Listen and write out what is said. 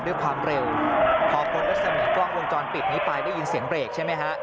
ด้วยความเร็วพอคนลักษณะกล้องวงจรปิดนี้ไปได้ยินเสียงเบรกใช่ไหมฮะ